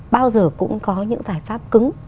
bao giờ cũng có những giải pháp cứng